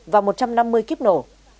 và một trăm năm mươi kiếp nổ